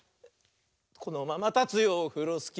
「このままたつよオフロスキー」